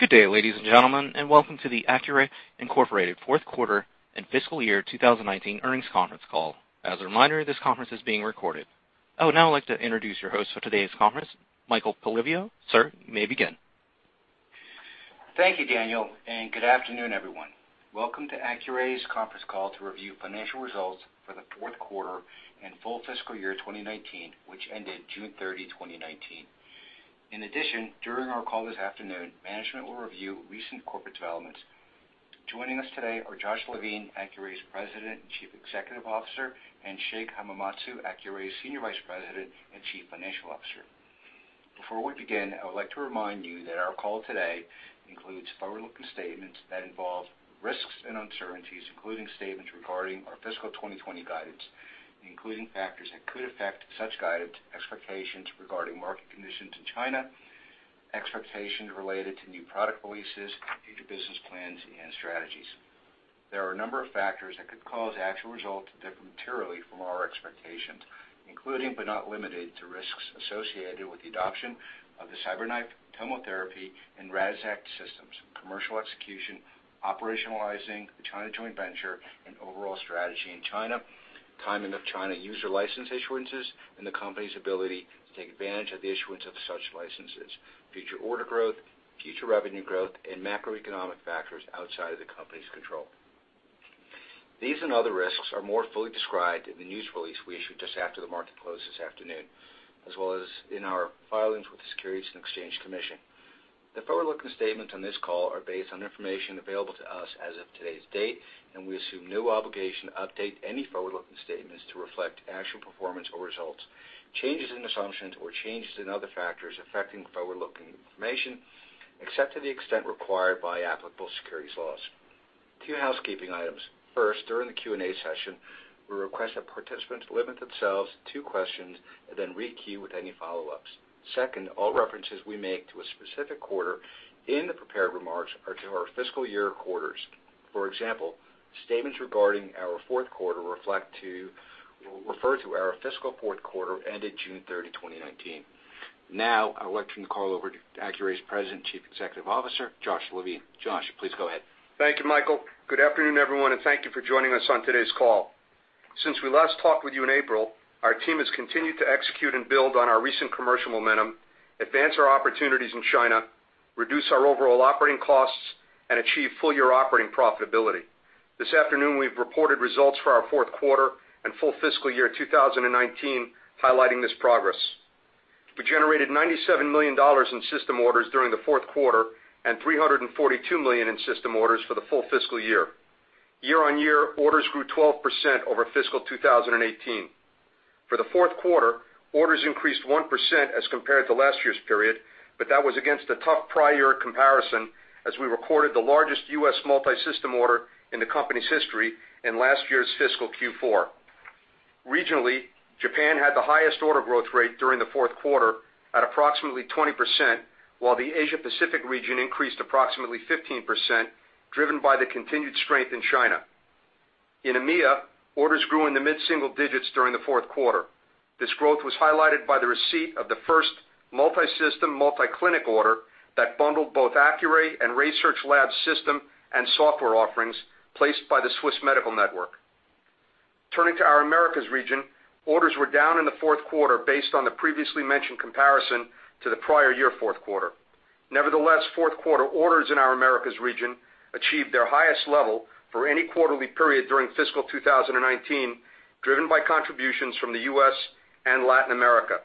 Good day, ladies and gentlemen, and welcome to the Accuray Incorporated fourth quarter and fiscal year 2019 earnings conference call. As a reminder, this conference is being recorded. I would now like to introduce your host for today's conference, Michael Polivio. Sir, you may begin. Thank you, Daniel, and good afternoon, everyone. Welcome to Accuray's conference call to review financial results for the fourth quarter and full fiscal year 2019, which ended June 30, 2019. In addition, during our call this afternoon, management will review recent corporate developments. Joining us today are Josh Levine, Accuray's President and Chief Executive Officer, and Shig Hamamatsu, Accuray's Senior Vice President and Chief Financial Officer. Before we begin, I would like to remind you that our call today includes forward-looking statements that involve risks and uncertainties, including statements regarding our fiscal 2020 guidance, including factors that could affect such guidance, expectations regarding market conditions in China, expectations related to new product releases, future business plans, and strategies. There are a number of factors that could cause actual results to differ materially from our expectations, including but not limited to risks associated with the adoption of the CyberKnife, TomoTherapy, and Radixact systems, commercial execution, operationalizing the China joint venture, and overall strategy in China, timing of China user license issuances, and the company's ability to take advantage of the issuance of such licenses, future order growth, future revenue growth, and macroeconomic factors outside of the company's control. These and other risks are more fully described in the news release we issued just after the market closed this afternoon, as well as in our filings with the Securities and Exchange Commission. The forward-looking statements on this call are based on information available to us as of today's date, and we assume no obligation to update any forward-looking statements to reflect actual performance or results, changes in assumptions, or changes in other factors affecting forward-looking information, except to the extent required by applicable securities laws. A few housekeeping items. First, during the Q&A session, we request that participants limit themselves to two questions and then re-queue with any follow-ups. Second, all references we make to a specific quarter in the prepared remarks are to our fiscal year quarters. For example, statements regarding our fourth quarter refer to our fiscal fourth quarter ended June 30, 2019. Now, I would like to turn the call over to Accuray's President and Chief Executive Officer, Josh Levine. Josh, please go ahead. Thank you, Michael. Good afternoon, everyone, and thank you for joining us on today's call. Since we last talked with you in April, our team has continued to execute and build on our recent commercial momentum, advance our opportunities in China, reduce our overall operating costs, and achieve full-year operating profitability. This afternoon, we've reported results for our fourth quarter and full fiscal year 2019 highlighting this progress. We generated $97 million in system orders during the fourth quarter and $342 million in system orders for the full fiscal year. Year-on-year, orders grew 12% over fiscal 2018. For the fourth quarter, orders increased 1% as compared to last year's period, but that was against a tough prior year comparison as we recorded the largest U.S. multi-system order in the company's history in last year's fiscal Q4. Regionally, Japan had the highest order growth rate during the fourth quarter at approximately 20%, while the Asia Pacific region increased approximately 15%, driven by the continued strength in China. In EMEA, orders grew in the mid-single digits during the fourth quarter. This growth was highlighted by the receipt of the first multi-system, multi-clinic order that bundled both Accuray and RaySearch Labs system and software offerings placed by the Swiss Medical Network. Turning to our Americas region, orders were down in the fourth quarter based on the previously mentioned comparison to the prior year fourth quarter. Nevertheless, fourth quarter orders in our Americas region achieved their highest level for any quarterly period during fiscal 2019, driven by contributions from the U.S. and Latin America.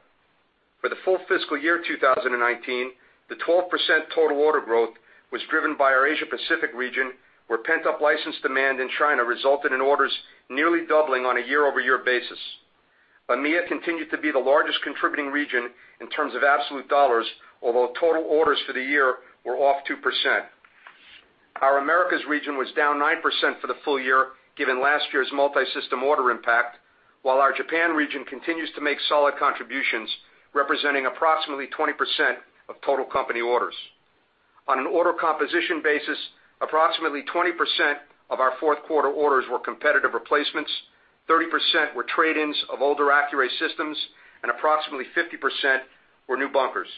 For the full fiscal year 2019, the 12% total order growth was driven by our Asia Pacific region, where pent-up license demand in China resulted in orders nearly doubling on a year-over-year basis. EMEA continued to be the largest contributing region in terms of absolute dollars, although total orders for the year were off 2%. Our Americas region was down 9% for the full year, given last year's multi-system order impact, while our Japan region continues to make solid contributions, representing approximately 20% of total company orders. On an order composition basis, approximately 20% of our fourth quarter orders were competitive replacements, 30% were trade-ins of older Accuray systems, and approximately 50% were new bunkers.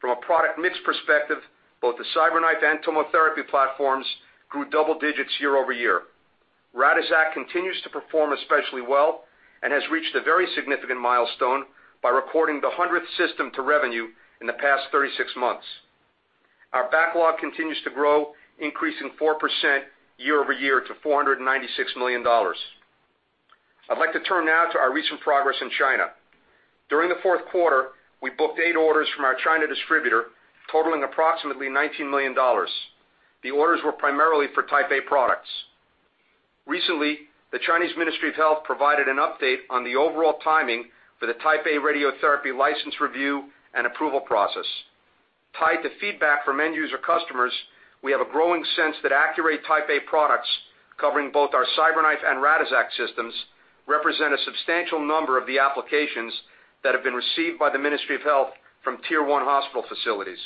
From a product mix perspective, both the CyberKnife and TomoTherapy platforms grew double digits year-over-year. Radixact continues to perform especially well and has reached a very significant milestone by recording the 100th system to revenue in the past 36 months. Our backlog continues to grow, increasing 4% year-over-year to $496 million. I'd like to turn now to our recent progress in China. During the fourth quarter, we booked eight orders from our China distributor totaling approximately $19 million. The orders were primarily for Type A products. Recently, the Chinese Ministry of Health provided an update on the overall timing for the Type A radiotherapy license review and approval process. Tied to feedback from end user customers, we have a growing sense that Accuray Type A products, covering both our CyberKnife and Radixact systems, represent a substantial number of the applications that have been received by the Ministry of Health from Tier 1 hospital facilities.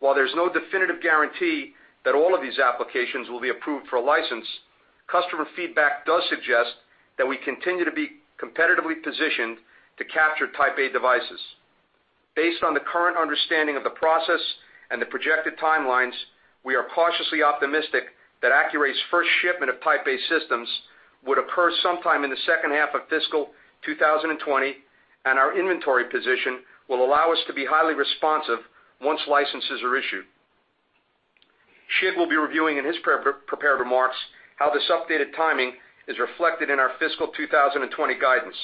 While there's no definitive guarantee that all of these applications will be approved for a license. Customer feedback does suggest that we continue to be competitively positioned to capture Type A devices. Based on the current understanding of the process and the projected timelines, we are cautiously optimistic that Accuray's first shipment of Type A systems would occur sometime in the second half of fiscal 2020, and our inventory position will allow us to be highly responsive once licenses are issued. Shig will be reviewing in his prepared remarks how this updated timing is reflected in our fiscal 2020 guidance.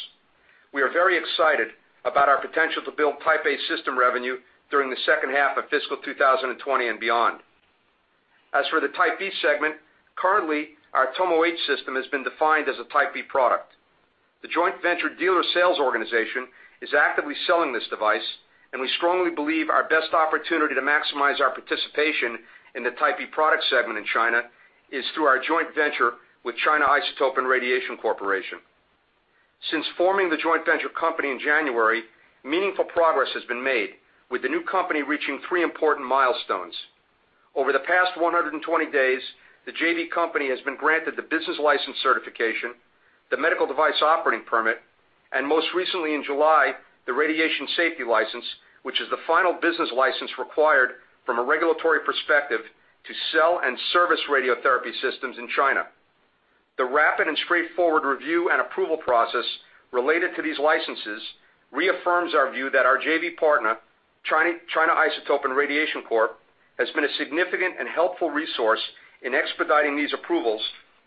We are very excited about our potential to build Type A system revenue during the second half of fiscal 2020 and beyond. As for the Type B segment, currently our TomoH system has been defined as a Type B product. The joint venture dealer sales organization is actively selling this device, and we strongly believe our best opportunity to maximize our participation in the Type B product segment in China is through our joint venture with China Isotope & Radiation Corporation. Since forming the joint venture company in January, meaningful progress has been made, with the new company reaching three important milestones. Over the past 120 days, the JV company has been granted the business license certification, the medical device operating permit, and most recently in July, the radiation safety license, which is the final business license required from a regulatory perspective to sell and service radiotherapy systems in China. The rapid and straightforward review and approval process related to these licenses reaffirms our view that our JV partner, China Isotope & Radiation Corp., has been a significant and helpful resource in expediting these approvals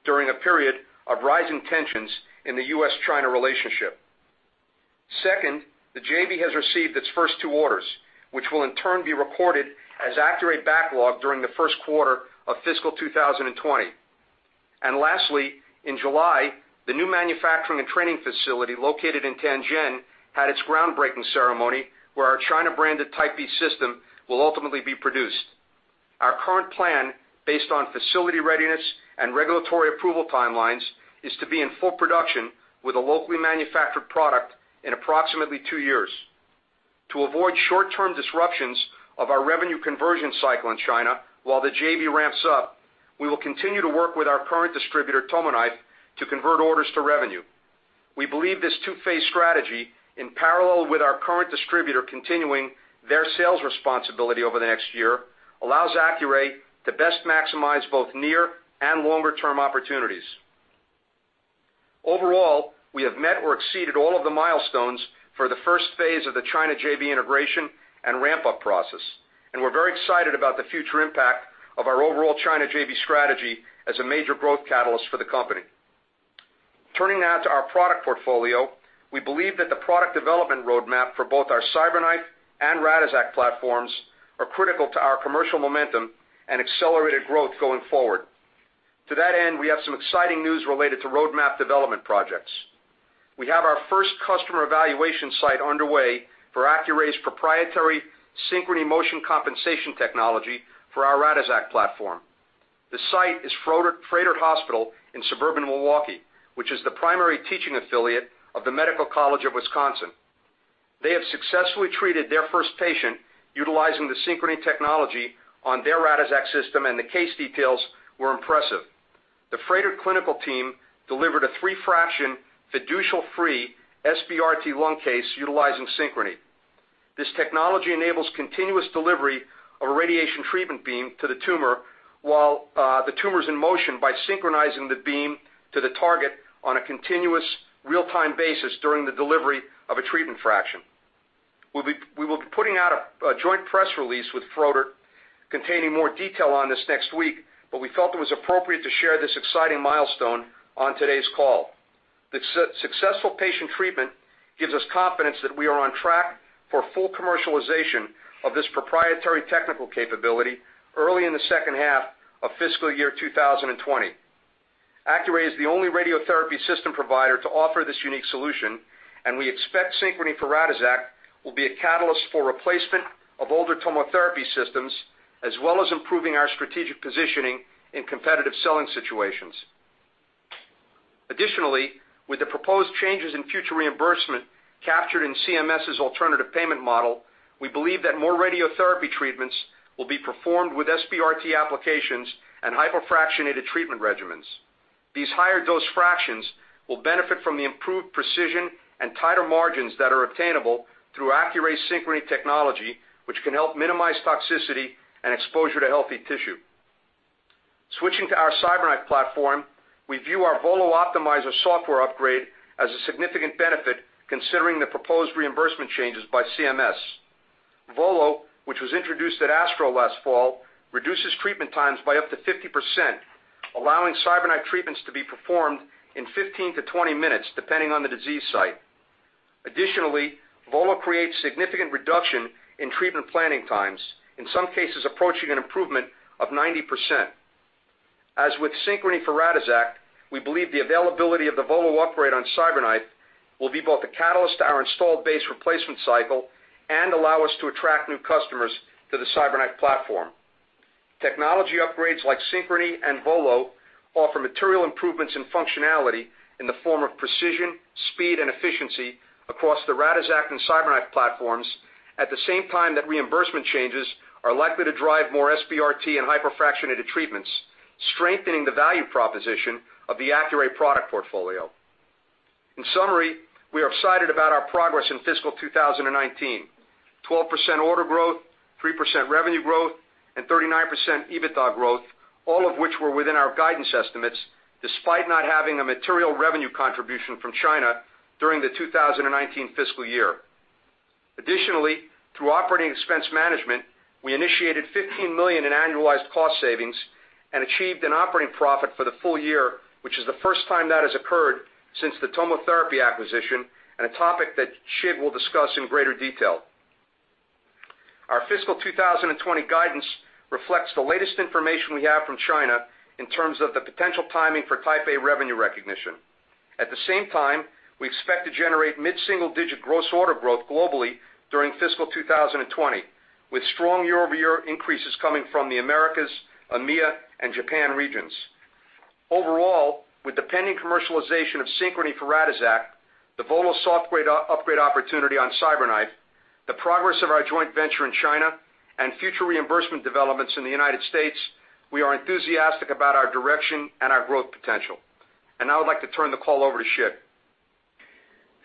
during a period of rising tensions in the U.S.-China relationship. The JV has received its first two orders, which will in turn be recorded as Accuray backlog during the first quarter of fiscal 2020. Lastly, in July, the new manufacturing and training facility located in Tianjin had its groundbreaking ceremony, where our China branded Type B system will ultimately be produced. Our current plan, based on facility readiness and regulatory approval timelines, is to be in full production with a locally manufactured product in approximately two years. To avoid short-term disruptions of our revenue conversion cycle in China while the JV ramps up, we will continue to work with our current distributor, TomoKnife, to convert orders to revenue. We believe this two-phase strategy, in parallel with our current distributor continuing their sales responsibility over the next year, allows Accuray to best maximize both near and longer-term opportunities. We have met or exceeded all of the milestones for the first phase of the China JV integration and ramp-up process. We're very excited about the future impact of our overall China JV strategy as a major growth catalyst for the company. Turning now to our product portfolio. We believe that the product development roadmap for both our CyberKnife and Radixact platforms are critical to our commercial momentum and accelerated growth going forward. To that end, we have some exciting news related to roadmap development projects. We have our first customer evaluation site underway for Accuray's proprietary Synchrony motion compensation technology for our Radixact platform. The site is Froedtert Hospital in suburban Milwaukee, which is the primary teaching affiliate of the Medical College of Wisconsin. They have successfully treated their first patient utilizing the Synchrony technology on their Radixact system, and the case details were impressive. The Froedtert clinical team delivered a three-fraction fiducial-free SBRT lung case utilizing Synchrony. This technology enables continuous delivery of a radiation treatment beam to the tumor while the tumor's in motion by synchronizing the beam to the target on a continuous real-time basis during the delivery of a treatment fraction. We will be putting out a joint press release with Froedtert containing more detail on this next week, but we felt it was appropriate to share this exciting milestone on today's call. The successful patient treatment gives us confidence that we are on track for full commercialization of this proprietary technical capability early in the second half of fiscal year 2020. Accuray is the only radiotherapy system provider to offer this unique solution, and we expect Synchrony for Radixact will be a catalyst for replacement of older TomoTherapy systems, as well as improving our strategic positioning in competitive selling situations. Additionally, with the proposed changes in future reimbursement captured in CMS's alternative payment model, we believe that more radiotherapy treatments will be performed with SBRT applications and hypofractionated treatment regimens. These higher dose fractions will benefit from the improved precision and tighter margins that are obtainable through Accuray's Synchrony technology, which can help minimize toxicity and exposure to healthy tissue. Switching to our CyberKnife platform, we view our VOLO Optimizer software upgrade as a significant benefit considering the proposed reimbursement changes by CMS. VOLO, which was introduced at ASTRO last fall, reduces treatment times by up to 50%, allowing CyberKnife treatments to be performed in 15 to 20 minutes, depending on the disease site. Additionally, VOLO creates significant reduction in treatment planning times, in some cases approaching an improvement of 90%. As with Synchrony for Radixact, we believe the availability of the VOLO upgrade on CyberKnife will be both a catalyst to our installed base replacement cycle and allow us to attract new customers to the CyberKnife platform. Technology upgrades like Synchrony and VOLO offer material improvements in functionality in the form of precision and speed and efficiency across the Radixact and CyberKnife platforms at the same time that reimbursement changes are likely to drive more SBRT and hypofractionated treatments, strengthening the value proposition of the Accuray product portfolio. In summary, we are excited about our progress in fiscal 2019. 12% order growth, 3% revenue growth, and 39% EBITDA growth, all of which were within our guidance estimates, despite not having a material revenue contribution from China during the 2019 fiscal year. Additionally, through operating expense management, we initiated $15 million in annualized cost savings and achieved an operating profit for the full year, which is the first time that has occurred since the TomoTherapy acquisition and a topic that Shig will discuss in greater detail. Our fiscal 2020 guidance reflects the latest information we have from China in terms of the potential timing for Type A revenue recognition. At the same time, we expect to generate mid-single-digit gross order growth globally during fiscal 2020, with strong year-over-year increases coming from the Americas, EMEA, and Japan regions. Overall, with the pending commercialization of Synchrony for Radixact, the VOLO software upgrade opportunity on CyberKnife, the progress of our joint venture in China, and future reimbursement developments in the United States, we are enthusiastic about our direction and our growth potential. Now I'd like to turn the call over to Shig.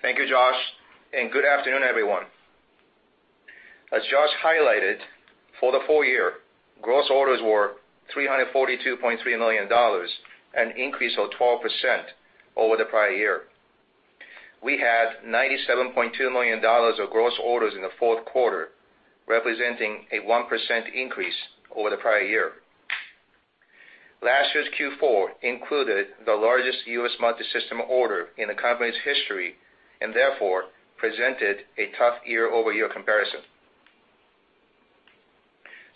Thank you, Josh, and good afternoon, everyone. As Josh highlighted, for the full year, gross orders were $342.3 million, an increase of 12% over the prior year. We had $97.2 million of gross orders in the fourth quarter, representing a 1% increase over the prior year. Last year's Q4 included the largest U.S. multi-system order in the company's history and therefore presented a tough year-over-year comparison.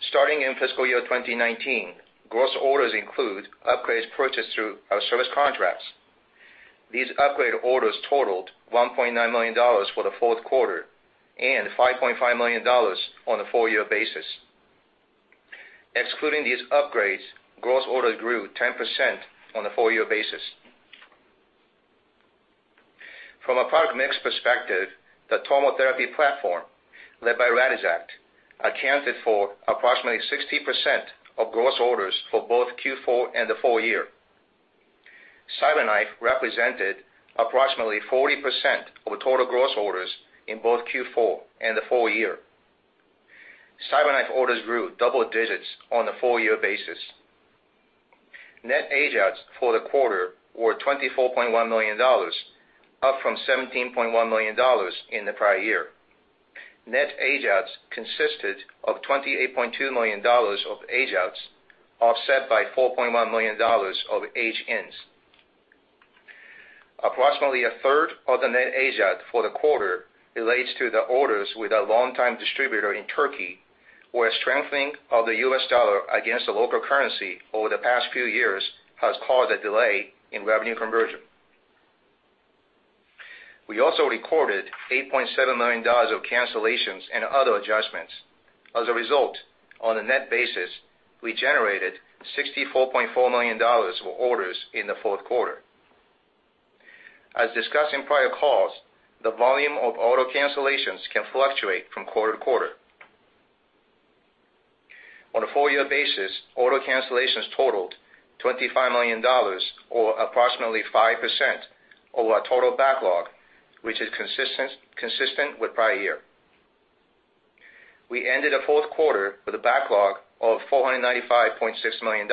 Starting in fiscal year 2019, gross orders include upgrades purchased through our service contracts. These upgrade orders totaled $1.9 million for the fourth quarter and $5.5 million on a full-year basis. Excluding these upgrades, gross orders grew 10% on a full-year basis. From a product mix perspective, the TomoTherapy platform, led by Radixact, accounted for approximately 60% of gross orders for both Q4 and the full year. CyberKnife represented approximately 40% of total gross orders in both Q4 and the full year. CyberKnife orders grew double digits on the full-year basis. Net age-outs for the quarter were $24.1 million, up from $17.1 million in the prior year. Net age-outs consisted of $28.2 million of age-outs, offset by $4.1 million of age-ins. Approximately a third of the net age-out for the quarter relates to the orders with a long-time distributor in Turkey, where a strengthening of the U.S. dollar against the local currency over the past few years has caused a delay in revenue conversion. We also recorded $8.7 million of cancellations and other adjustments. As a result, on a net basis, we generated $64.4 million of orders in the fourth quarter. As discussed in prior calls, the volume of order cancellations can fluctuate from quarter to quarter. On a full-year basis, order cancellations totaled $25 million, or approximately 5% of our total backlog, which is consistent with prior year. We ended the fourth quarter with a backlog of $495.6 million,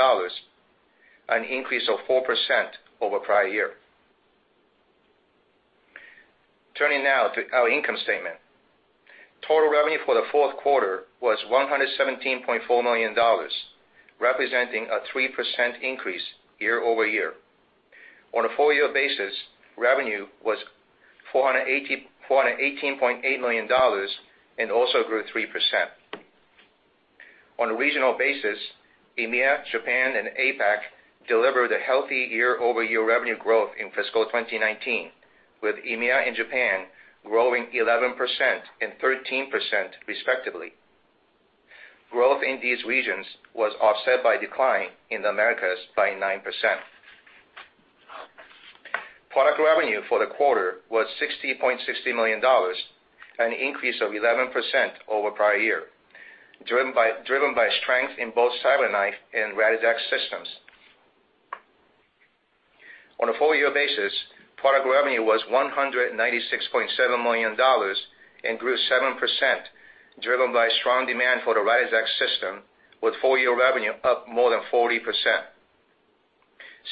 an increase of 4% over prior year. Turning now to our income statement. Total revenue for the fourth quarter was $117.4 million, representing a 3% increase year-over-year. On a full-year basis, revenue was $418.8 million and also grew 3%. On a regional basis, EMEA, Japan, and APAC delivered a healthy year-over-year revenue growth in fiscal 2019, with EMEA and Japan growing 11% and 13% respectively. Growth in these regions was offset by decline in the Americas by 9%. Product revenue for the quarter was $60.6 million, an increase of 11% over prior year, driven by strength in both CyberKnife and Radixact systems. On a full-year basis, product revenue was $196.7 million and grew 7%, driven by strong demand for the Radixact system, with full-year revenue up more than 40%.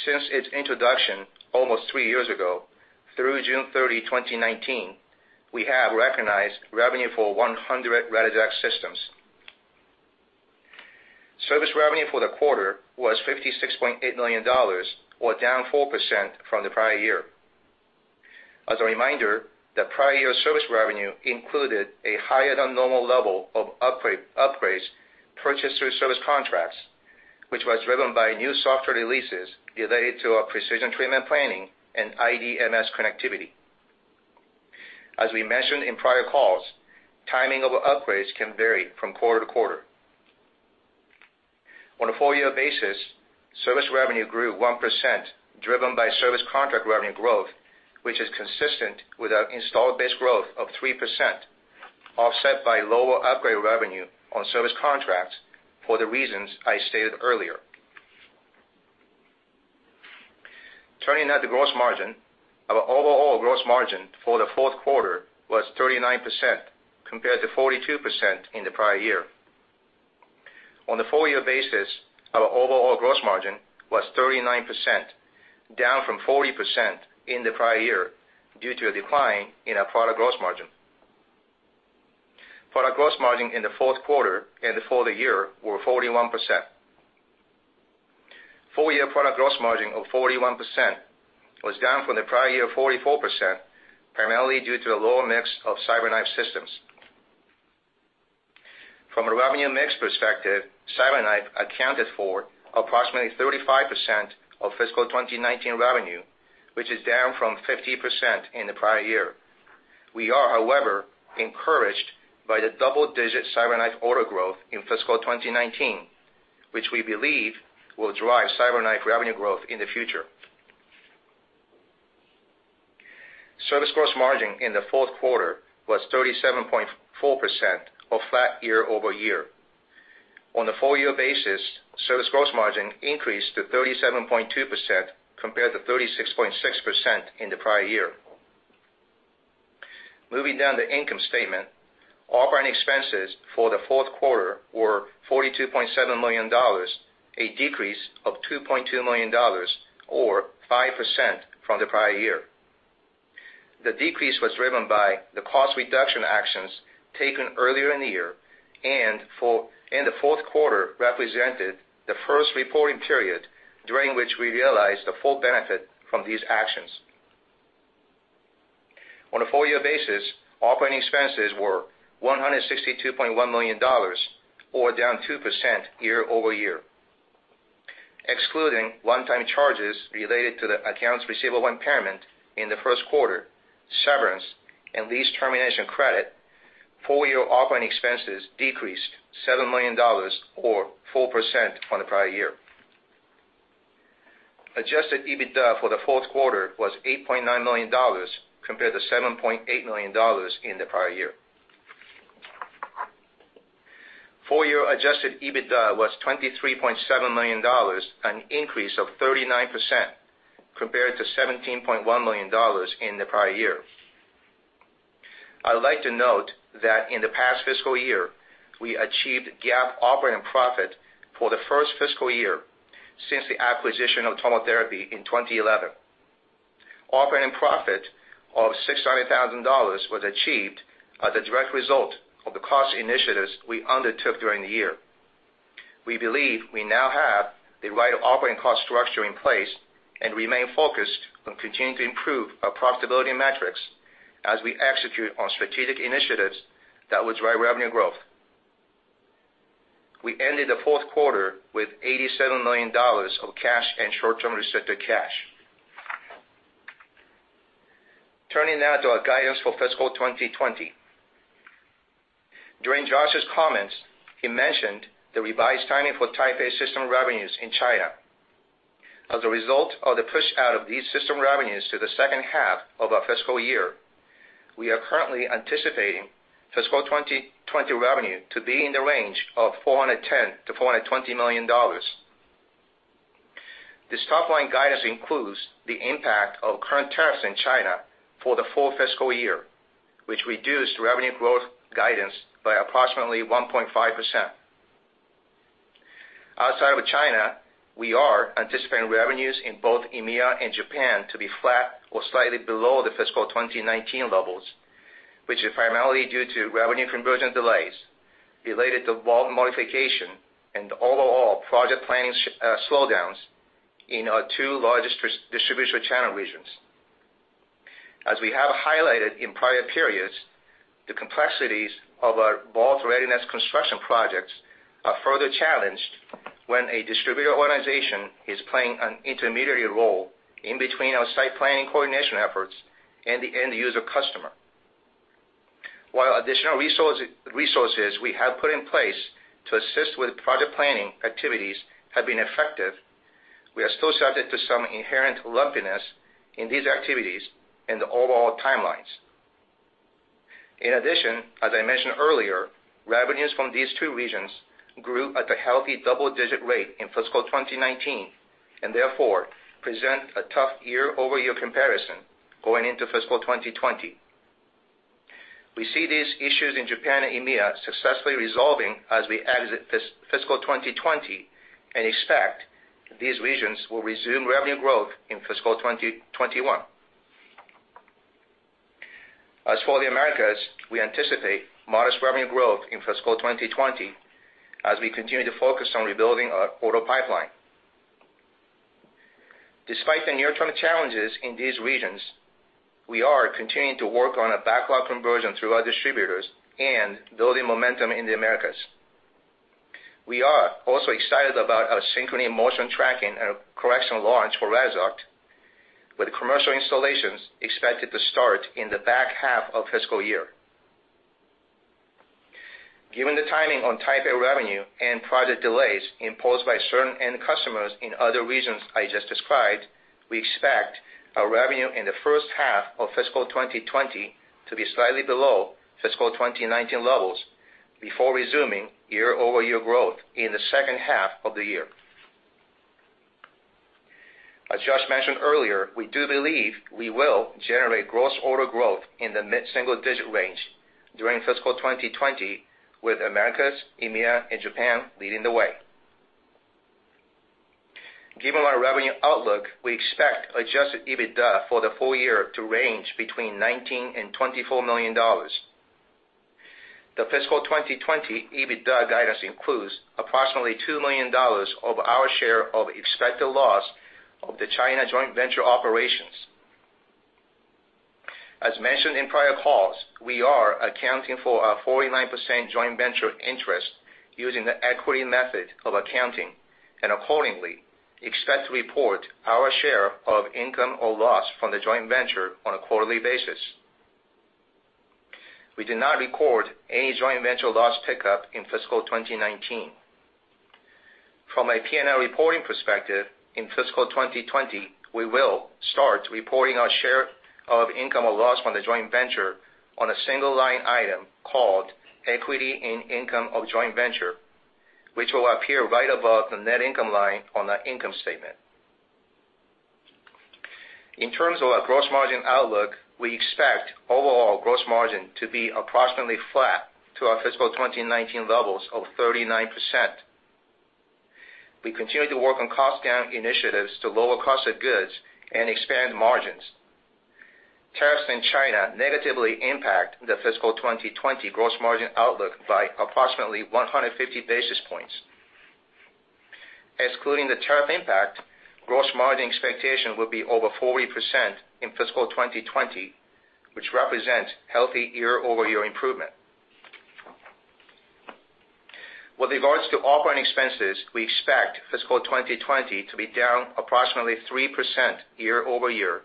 Since its introduction almost three years ago, through June 30, 2019, we have recognized revenue for 100 Radixact systems. Service revenue for the quarter was $56.8 million, or down 4% from the prior year. As a reminder, the prior year service revenue included a higher-than-normal level of upgrades purchased through service contracts, which was driven by new software releases related to our Precision Treatment Planning and IDMS connectivity. As we mentioned in prior calls, timing of upgrades can vary from quarter to quarter. On a full-year basis, service revenue grew 1%, driven by service contract revenue growth, which is consistent with our installed base growth of 3%, offset by lower upgrade revenue on service contracts for the reasons I stated earlier. Turning now to gross margin. Our overall gross margin for the fourth quarter was 39%, compared to 42% in the prior year. On the full-year basis, our overall gross margin was 39%, down from 40% in the prior year due to a decline in our product gross margin. Product gross margin in the fourth quarter and the full year were 41%. Full-year product gross margin of 41% was down from the prior year, 44%, primarily due to the lower mix of CyberKnife systems. From a revenue mix perspective, CyberKnife accounted for approximately 35% of fiscal 2019 revenue, which is down from 50% in the prior year. We are, however, encouraged by the double-digit CyberKnife order growth in fiscal 2019, which we believe will drive CyberKnife revenue growth in the future. Service gross margin in the fourth quarter was 37.4%, or flat year-over-year. On the full-year basis, service gross margin increased to 37.2%, compared to 36.6% in the prior year. Moving down the income statement. Operating expenses for the fourth quarter were $42.7 million, a decrease of $2.2 million, or 5% from the prior year. The decrease was driven by the cost reduction actions taken earlier in the year and the fourth quarter represented the first reporting period during which we realized the full benefit from these actions. On a full-year basis, operating expenses were $162.1 million, or down 2% year-over-year. Excluding one-time charges related to the accounts receivable impairment in the first quarter, severance and lease termination credit, full-year operating expenses decreased $7 million, or 4% from the prior year. Adjusted EBITDA for the fourth quarter was $8.9 million, compared to $7.8 million in the prior year. Full-year adjusted EBITDA was $23.7 million, an increase of 39%, compared to $17.1 million in the prior year. I would like to note that in the past fiscal year, we achieved GAAP operating profit for the first fiscal year since the acquisition of TomoTherapy in 2011. Operating profit of $600,000 was achieved as a direct result of the cost initiatives we undertook during the year. We believe we now have the right operating cost structure in place and remain focused on continuing to improve our profitability metrics as we execute on strategic initiatives that will drive revenue growth. We ended the fourth quarter with $87 million of cash and short-term restricted cash. Turning now to our guidance for fiscal 2020. During Josh's comments, he mentioned the revised timing for Type A system revenues in China. As a result of the push-out of these system revenues to the second half of our fiscal year, we are currently anticipating fiscal 2020 revenue to be in the range of $410 million-$420 million. This top-line guidance includes the impact of current tariffs in China for the full fiscal year, which reduced revenue growth guidance by approximately 1.5%. Outside of China, we are anticipating revenues in both EMEA and Japan to be flat or slightly below the fiscal 2019 levels, which is primarily due to revenue conversion delays related to vault modification and overall project planning slowdowns in our two largest distribution channel regions. As we have highlighted in prior periods, the complexities of our vault readiness construction projects are further challenged when a distributor organization is playing an intermediary role in between our site planning coordination efforts and the end user customer. While additional resources we have put in place to assist with project planning activities have been effective, we are still subject to some inherent lumpiness in these activities and the overall timelines. In addition, as I mentioned earlier, revenues from these two regions grew at a healthy double-digit rate in fiscal 2019 and therefore present a tough year-over-year comparison going into fiscal 2020. We see these issues in Japan and EMEA successfully resolving as we exit fiscal 2020 and expect these regions will resume revenue growth in fiscal 2021. As for the Americas, we anticipate modest revenue growth in fiscal 2020 as we continue to focus on rebuilding our order pipeline. Despite the near-term challenges in these regions, we are continuing to work on a backlog conversion through our distributors and building momentum in the Americas. We are also excited about our Synchrony motion tracking and correction launch for Radixact, with commercial installations expected to start in the back half of fiscal year. Given the timing on Type A revenue and project delays imposed by certain end customers in other regions I just described, we expect our revenue in the first half of fiscal 2020 to be slightly below fiscal 2019 levels before resuming year-over-year growth in the second half of the year. As Josh mentioned earlier, we do believe we will generate gross order growth in the mid-single-digit range during fiscal 2020, with Americas, EMEA, and Japan leading the way. Given our revenue outlook, we expect adjusted EBITDA for the full year to range between $19 million-$24 million. The fiscal 2020 EBITDA guidance includes approximately $2 million of our share of expected loss of the China joint venture operations. As mentioned in prior calls, we are accounting for our 49% joint venture interest using the equity method of accounting, and accordingly, expect to report our share of income or loss from the joint venture on a quarterly basis. We did not record any joint venture loss pickup in fiscal 2019. From a P&L reporting perspective, in fiscal 2020, we will start reporting our share of income or loss from the joint venture on a single-line item called Equity in Income of Joint Venture, which will appear right above the net income line on our income statement. In terms of our gross margin outlook, we expect overall gross margin to be approximately flat to our fiscal 2019 levels of 39%. We continue to work on cost down initiatives to lower cost of goods and expand margins. Tariffs in China negatively impact the fiscal 2020 gross margin outlook by approximately 150 basis points. Excluding the tariff impact, gross margin expectation will be over 40% in fiscal 2020, which represents healthy year-over-year improvement. With regards to operating expenses, we expect fiscal 2020 to be down approximately 3% year-over-year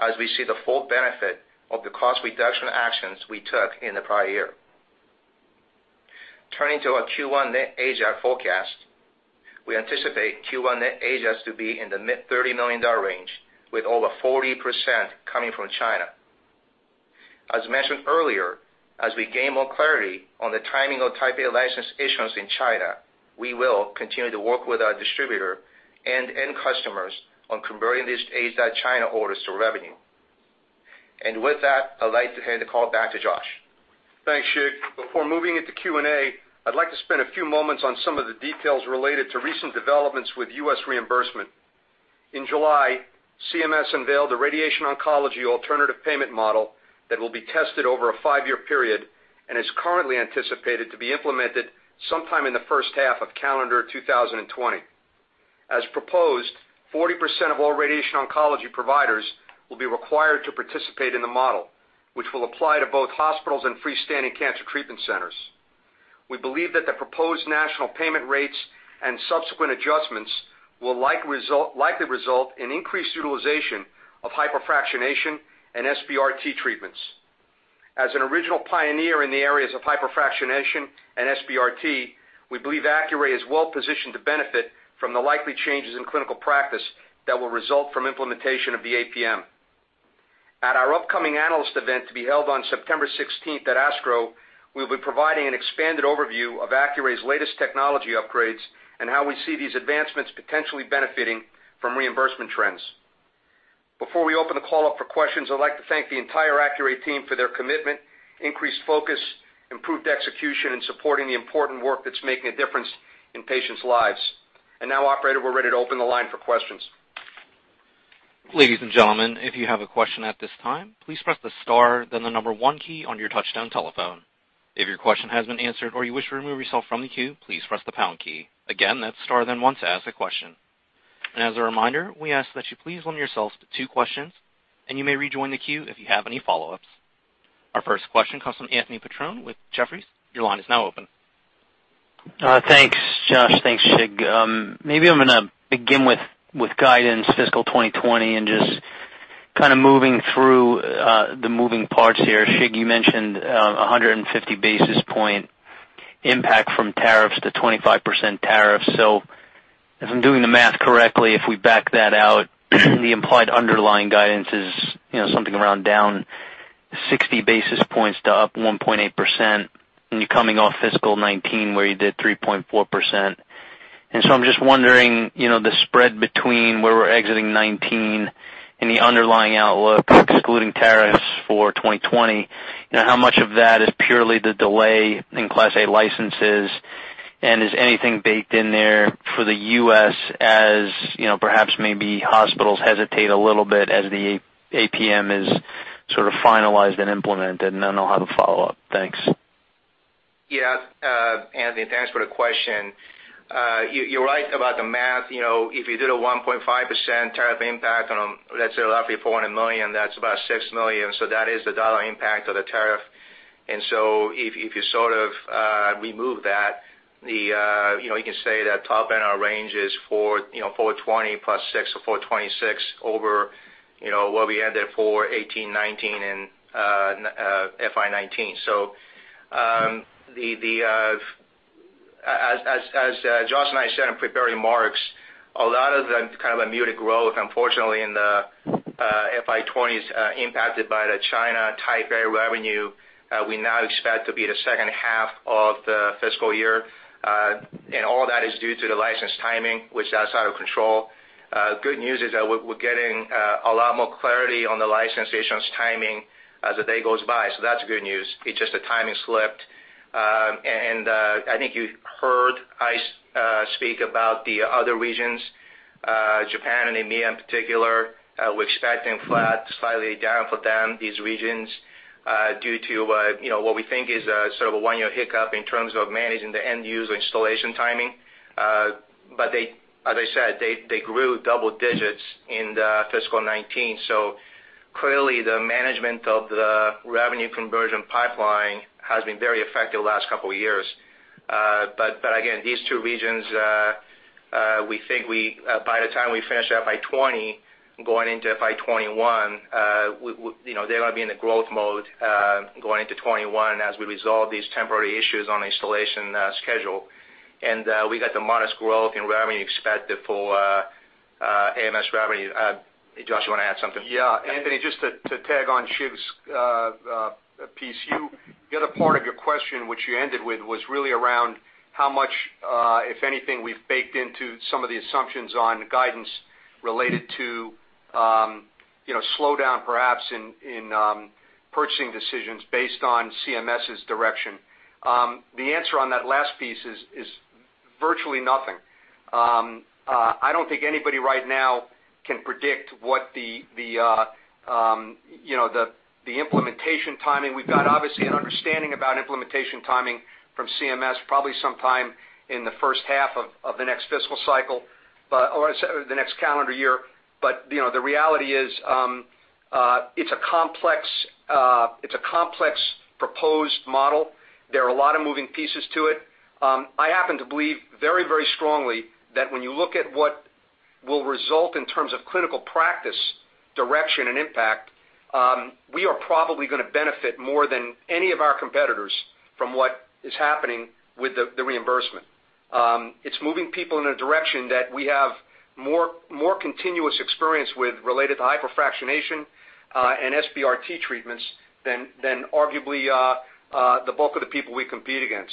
as we see the full benefit of the cost reduction actions we took in the prior year. Turning to our Q1 Net/AJAR forecast, we anticipate Q1 Net/AJARs to be in the mid $30 million range with over 40% coming from China. As mentioned earlier, as we gain more clarity on the timing of Type A license issuance in China, we will continue to work with our distributor and end customers on converting these AJAR China orders to revenue. With that, I'd like to hand the call back to Josh. Thanks, Shig. Before moving into Q&A, I'd like to spend a few moments on some of the details related to recent developments with U.S. reimbursement. In July, CMS unveiled a radiation oncology alternative payment model that will be tested over a five-year period and is currently anticipated to be implemented sometime in the first half of calendar 2020. As proposed, 40% of all radiation oncology providers will be required to participate in the model, which will apply to both hospitals and freestanding cancer treatment centers. We believe that the proposed national payment rates and subsequent adjustments will likely result in increased utilization of hypofractionation and SBRT treatments. As an original pioneer in the areas of hypofractionation and SBRT, we believe Accuray is well positioned to benefit from the likely changes in clinical practice that will result from implementation of the APM. At our upcoming analyst event to be held on September 16th at ASTRO, we'll be providing an expanded overview of Accuray's latest technology upgrades and how we see these advancements potentially benefiting from reimbursement trends. Before we open the call up for questions, I'd like to thank the entire Accuray team for their commitment, increased focus, improved execution in supporting the important work that's making a difference in patients' lives. Now, operator, we're ready to open the line for questions. Ladies and gentlemen, if you have a question at this time, please press the star then the number one key on your touch-tone telephone. If your question has been answered or you wish to remove yourself from the queue, please press the pound key. Again, that's star then one to ask a question. As a reminder, we ask that you please limit yourselves to two questions, and you may rejoin the queue if you have any follow-ups. Our first question comes from Anthony Petrone with Jefferies. Your line is now open. Thanks, Josh. Thanks, Shig. Maybe I'm going to begin with guidance fiscal 2020 and just kind of moving through the moving parts here. Shig, you mentioned 150 basis point impact from tariffs to 25% tariffs. if I'm doing the math correctly, if we back that out, the implied underlying guidance is something around down 60 basis points to up 1.8%, and you're coming off fiscal '19 where you did 3.4%. I'm just wondering, the spread between where we're exiting '19 and the underlying outlook excluding tariffs for 2020, how much of that is purely the delay in Class A licenses? is anything baked in there for the U.S. as perhaps maybe hospitals hesitate a little bit as the APM is sort of finalized and implemented? then I'll have a follow-up. Thanks. Yeah, Anthony, thanks for the question. You're right about the math. If you did a 1.5% tariff impact on, let's say, roughly $400 million, that's about $6 million. That is the dollar impact of the tariff. If you sort of remove that, you can say that top end of our range is $420 million plus $6 million, so $426 million over what we ended for FY18, FY19 in FY19. The. As Josh and I said in prepared remarks, a lot of the muted growth, unfortunately, in the FY20 is impacted by the China Type A revenue we now expect to be the second half of the fiscal year. All that is due to the license timing, which is outside of control. Good news is that we're getting a lot more clarity on the licensing timing as the day goes by. That is good news. It is just the timing slipped. I think you heard I speak about the other regions, Japan and EMEA in particular. We're expecting flat, slightly down for them, these regions, due to what we think is a sort of a one-year hiccup in terms of managing the end-user installation timing. As I said, they grew double digits in the fiscal 2019. Clearly the management of the revenue conversion pipeline has been very effective the last couple of years. Again, these two regions, we think by the time we finish FY 2020, going into FY 2021, they're going to be in the growth mode going into 2021 as we resolve these temporary issues on installation schedule. We got the modest growth in revenue expected for Americas revenue. Josh, you want to add something? Yeah. Anthony, just to tag on Shig's piece. The other part of your question, which you ended with, was really around how much if anything we've baked into some of the assumptions on guidance related to slowdown perhaps in purchasing decisions based on CMS's direction. The answer on that last piece is virtually nothing. I don't think anybody right now can predict what the implementation timing. We've got obviously an understanding about implementation timing from CMS, probably sometime in the first half of the next fiscal cycle or the next calendar year. the reality is, it's a complex proposed model. There are a lot of moving pieces to it. I happen to believe very strongly that when you look at what will result in terms of clinical practice direction and impact, we are probably going to benefit more than any of our competitors from what is happening with the reimbursement. It's moving people in a direction that we have more continuous experience with related to hypofractionation and SBRT treatments than arguably the bulk of the people we compete against.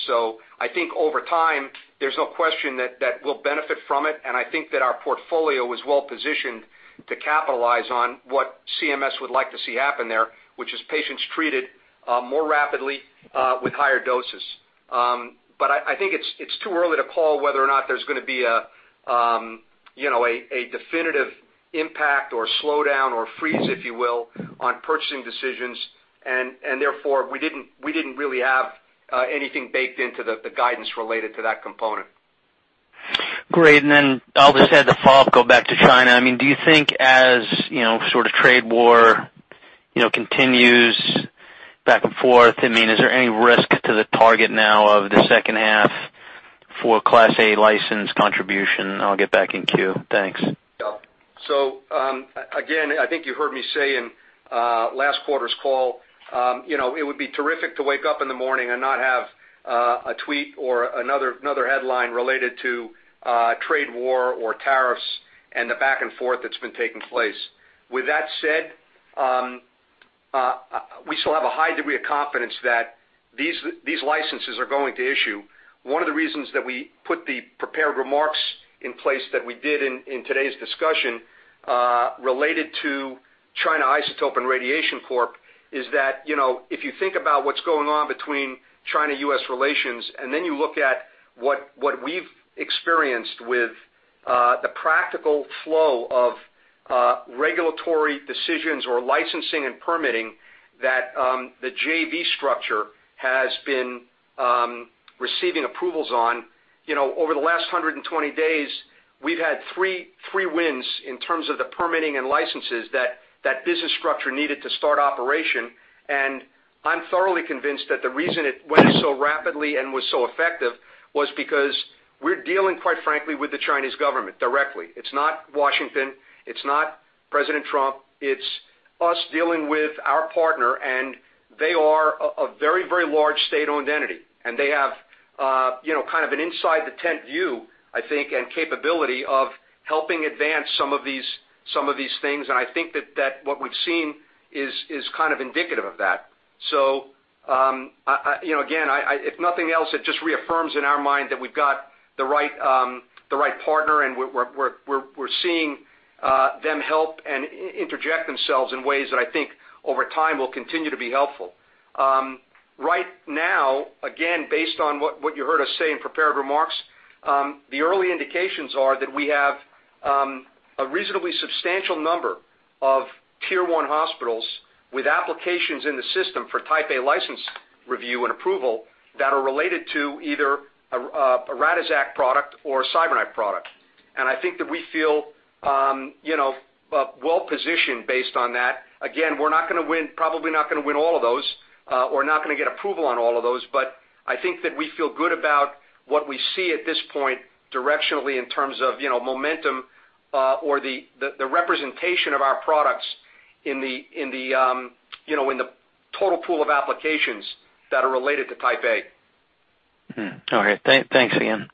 I think over time, there's no question that we'll benefit from it, and I think that our portfolio is well-positioned to capitalize on what CMS would like to see happen there, which is patients treated more rapidly with higher doses. I think it's too early to call whether or not there's going to be a definitive impact or slowdown or freeze, if you will, on purchasing decisions, and therefore, we didn't really have anything baked into the guidance related to that component. Great. I'll just add the follow-up, go back to China. Do you think as trade war continues back and forth, is there any risk to the target now of the second half for Type A license contribution? I'll get back in queue. Thanks. again, I think you heard me say in last quarter's call, it would be terrific to wake up in the morning and not have a tweet or another headline related to trade war or tariffs and the back and forth that's been taking place. With that said, we still have a high degree of confidence that these licenses are going to issue. One of the reasons that we put the prepared remarks in place that we did in today's discussion related to China Isotope & Radiation Corp. is that, if you think about what's going on between China-US relations, and then you look at what we've experienced with the practical flow of regulatory decisions or licensing and permitting that the JV structure has been receiving approvals on. Over the last 120 days, we've had three wins in terms of the permitting and licenses that business structure needed to start operation, and I'm thoroughly convinced that the reason it went so rapidly and was so effective was because we're dealing, quite frankly, with the Chinese government directly. It's not Washington, it's not President Trump, it's us dealing with our partner, and they are a very large state-owned entity, and they have an inside the tent view, I think, and capability of helping advance some of these things, and I think that what we've seen is indicative of that. Again, if nothing else, it just reaffirms in our mind that we've got the right partner, and we're seeing them help and interject themselves in ways that I think over time will continue to be helpful. Right now, again, based on what you heard us say in prepared remarks, the early indications are that we have a reasonably substantial number of tier 1 hospitals with applications in the system for Type A license review and approval that are related to either a Radixact product or a CyberKnife product. I think that we feel well-positioned based on that. Again, we're probably not going to win all of those or not going to get approval on all of those, but I think that we feel good about what we see at this point directionally in terms of momentum or the representation of our products in the total pool of applications that are related to Type A. All right. Thanks again.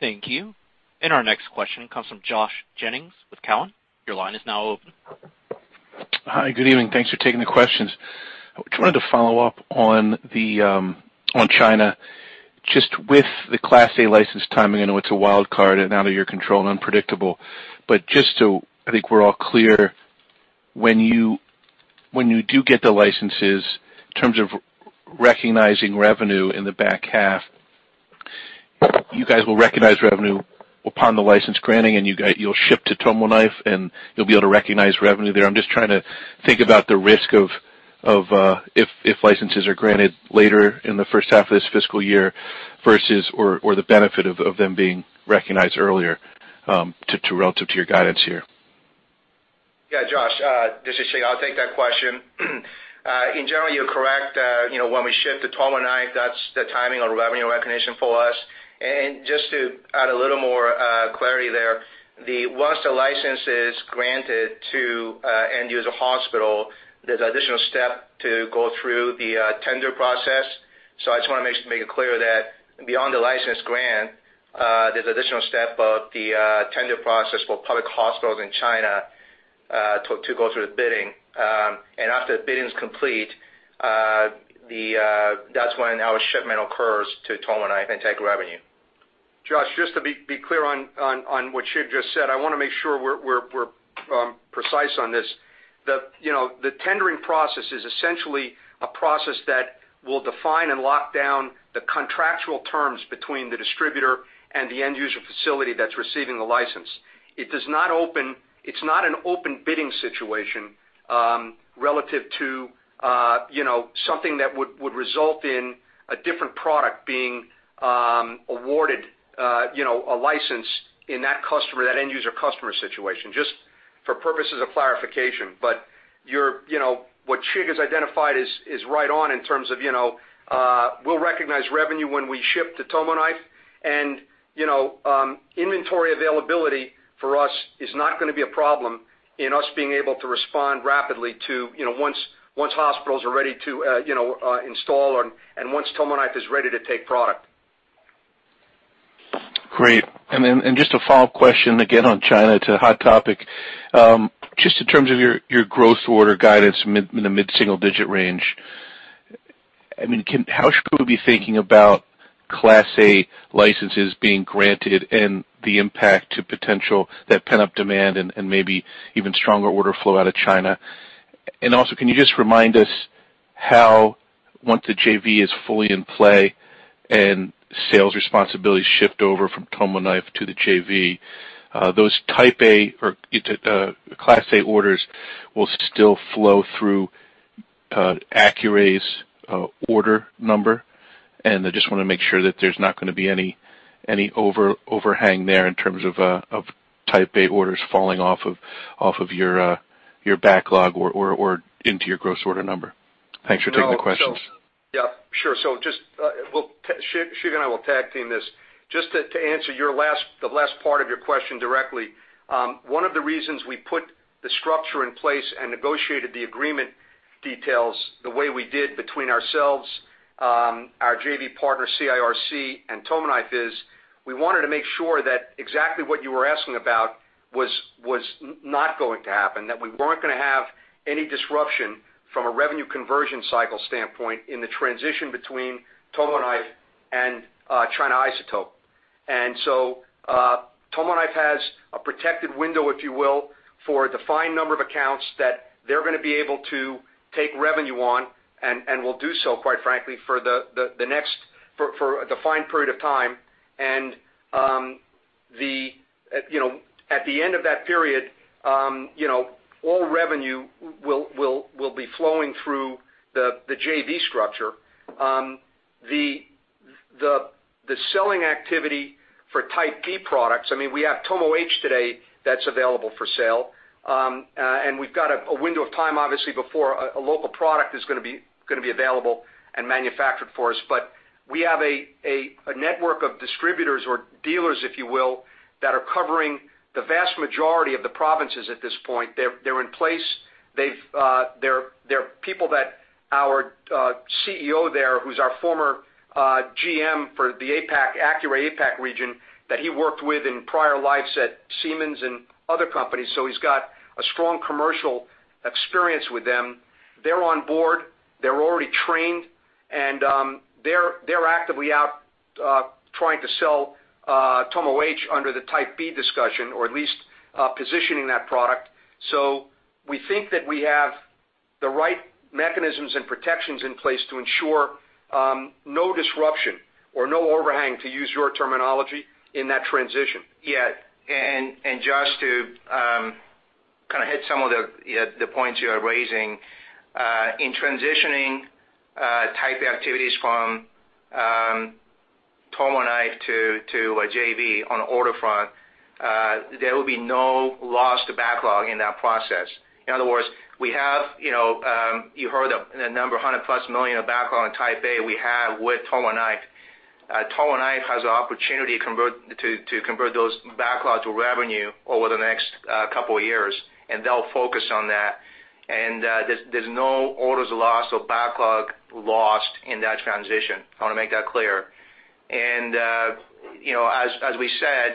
Thank you. Our next question comes from Josh Jennings with Cowen. Your line is now open. Hi, good evening. Thanks for taking the questions. I was trying to follow up on China, just with the Type A license timing. I know it's a wild card and out of your control and unpredictable, but just so I think we're all clear, when you do get the licenses, in terms of recognizing revenue in the back half, you guys will recognize revenue upon the license granting, and you'll ship to TomoKnife, and you'll be able to recognize revenue there. I'm just trying to think about the risk of if licenses are granted later in the first half of this fiscal year versus/or the benefit of them being recognized earlier, relative to your guidance here. Yeah, Josh, this is Shig. I'll take that question. In general, you're correct. When we ship to TomoKnife, that's the timing on revenue recognition for us. Just to add a little more clarity there, once the license is granted to end user hospital, there's additional step to go through the tender process. I just want to make it clear that beyond the license grant, there's additional step of the tender process for public hospitals in China to go through the bidding. After the bidding's complete, that's when our shipment occurs to TomoKnife and take revenue. Josh, just to be clear on what Shig just said, I want to make sure we're precise on this. The tendering process is essentially a process that will define and lock down the contractual terms between the distributor and the end user facility that's receiving the license. It's not an open bidding situation relative to something that would result in a different product being awarded a license in that end user customer situation, just for purposes of clarification. what Shig has identified is right on in terms of we'll recognize revenue when we ship to TomoKnife, and inventory availability for us is not going to be a problem in us being able to respond rapidly to once hospitals are ready to install and once TomoKnife is ready to take product. Great. Just a follow-up question again on China. It's a hot topic. Just in terms of your growth order guidance in the mid-single-digit range, how should we be thinking about Type A licenses being granted and the impact to potential that pent-up demand and maybe even stronger order flow out of China? Also, can you just remind us how once the JV is fully in play and sales responsibilities shift over from TomoKnife to the JV, those Type A orders will still flow through Accuray's order number? I just want to make sure that there's not going to be any overhang there in terms of Type A orders falling off of your backlog or into your gross order number. Thanks for taking the questions. Yeah, sure. Just, Shig and I will tag team this. Just to answer the last part of your question directly, one of the reasons we put the structure in place and negotiated the agreement details the way we did between ourselves, our JV partner, CIRC, and TomoKnife is we wanted to make sure that exactly what you were asking about was not going to happen, that we weren't going to have any disruption from a revenue conversion cycle standpoint in the transition between TomoKnife and China Isotope. TomoKnife has a protected window, if you will, for a defined number of accounts that they're going to be able to take revenue on and will do so, quite frankly, for a defined period of time. At the end of that period, all revenue will be flowing through the JV structure. The selling activity for Type B products, we have TomoH today that's available for sale. We've got a window of time, obviously, before a local product is going to be available and manufactured for us. We have a network of distributors or dealers, if you will, that are covering the vast majority of the provinces at this point. They're in place. They're people that our CEO there, who's our former GM for the Accuray APAC region, that he worked with in prior lives at Siemens and other companies. He's got a strong commercial experience with them. They're on board. They're already trained, and they're actively out trying to sell TomoH under the Type B discussion or at least positioning that product. We think that we have the right mechanisms and protections in place to ensure no disruption or no overhang, to use your terminology, in that transition. Yeah. Just to hit some of the points you are raising. In transitioning Type A activities from TomoKnife to a JV on order front, there will be no lost backlog in that process. In other words, you heard the number, 100-plus million of backlog in Type A we have with TomoKnife. TomoKnife has the opportunity to convert those backlogs to revenue over the next couple of years, and they'll focus on that. There's no orders lost or backlog lost in that transition. I want to make that clear. As we said,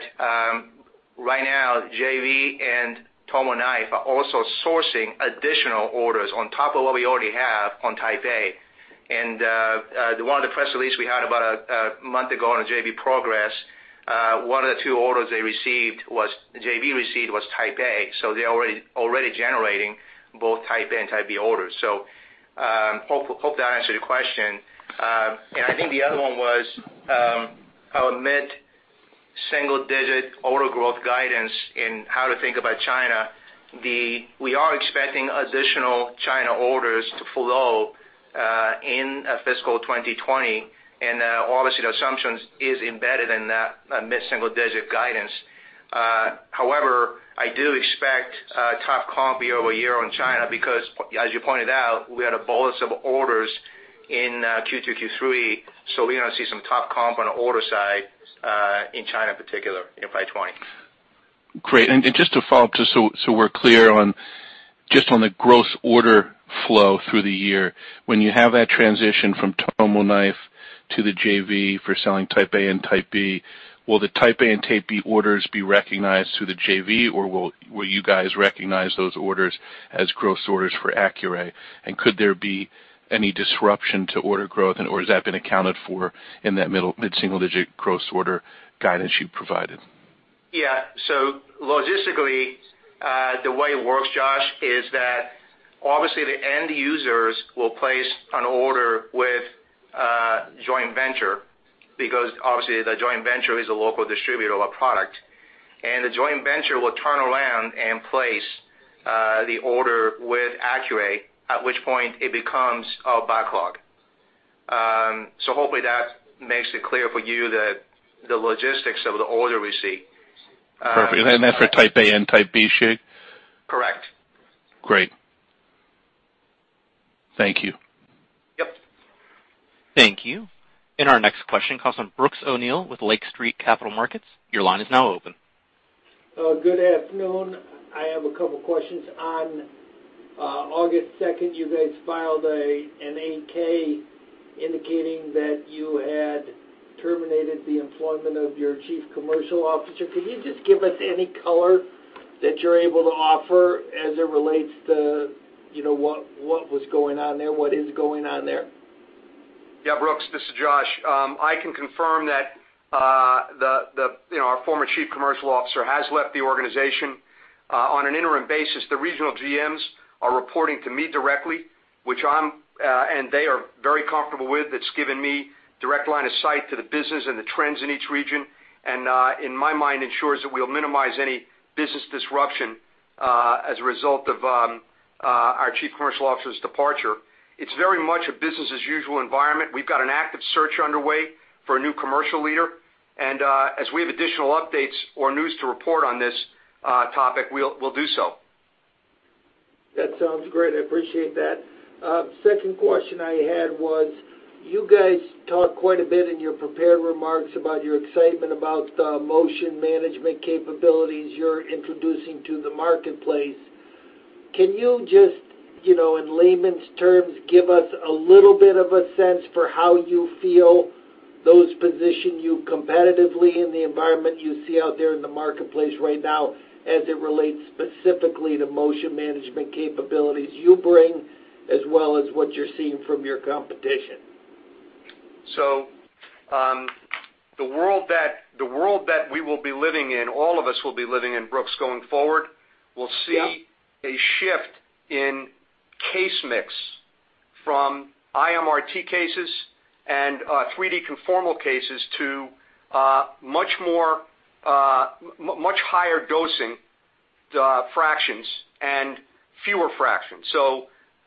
right now, JV and TomoKnife are also sourcing additional orders on top of what we already have on Type A. One of the press release we had about a month ago on the JV progress, one of the two orders the JV received was Type A, so they're already generating both Type A and Type B orders. Hope that answered your question. I think the other one was our mid-single digit order growth guidance and how to think about China. We are expecting additional China orders to flow in fiscal 2020, and obviously the assumptions is embedded in that mid-single digit guidance. However, I do expect tough comp year over year on China because, as you pointed out, we had a bolus of orders in Q2, Q3, so we're going to see some tough comp on the order side, in China particular, in five-20. Great. Just to follow up, just so we're clear just on the gross order flow through the year, when you have that transition from TomoKnife to the JV for selling Type A and Type B, will the Type A and Type B orders be recognized through the JV or will you guys recognize those orders as gross orders for Accuray? Could there be any disruption to order growth, or has that been accounted for in that mid-single digit gross order guidance you provided? Yeah. Logistically, the way it works, Josh, is that obviously the end users will place an order with a joint venture because obviously the joint venture is a local distributor of our product. The joint venture will turn around and place the order with Accuray, at which point it becomes our backlog. Hopefully that makes it clear for you the logistics of the order receipt. Perfect. That's for Type A and Type B ship? Correct. Great. Thank you. Yep. Thank you. Our next question comes from Brooks O'Neil with Lake Street Capital Markets. Your line is now open. Good afternoon. I have a couple questions. On August 2nd, you guys filed an 8-K indicating that you had terminated the employment of your Chief Commercial Officer. Could you just give us any color that you're able to offer as it relates to what was going on there, what is going on there? Yeah, Brooks, this is Josh. I can confirm that our former chief commercial officer has left the organization. On an interim basis, the regional GMs are reporting to me directly, which I'm, and they are very comfortable with. It's given me direct line of sight to the business and the trends in each region, and in my mind, ensures that we'll minimize any business disruption as a result of our chief commercial officer's departure. It's very much a business as usual environment. We've got an active search underway for a new commercial leader. as we have additional updates or news to report on this topic, we'll do so. That sounds great. I appreciate that. Second question I had was, you guys talked quite a bit in your prepared remarks about your excitement about the motion management capabilities you're introducing to the marketplace. Can you just, in layman's terms, give us a little bit of a sense for how you feel those position you competitively in the environment you see out there in the marketplace right now as it relates specifically to motion management capabilities you bring, as well as what you're seeing from your competition? The world that we will be living in, all of us will be living in, Brooks, going forward, will see- Yeah a shift in case mix from IMRT cases and 3D conformal cases to much higher dosing fractions and fewer fractions.